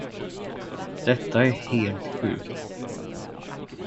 Detta är helt sjukt.